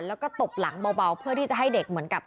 แล้วก็ตบหลังเบาเพื่อที่จะให้เด็กเหมือนกับ